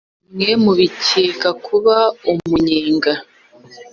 mwe mubikeka kuba umunyenga